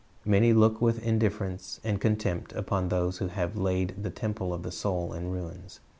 Many look with indifference and contempt upon those who have laid the temple of the soul in ruins.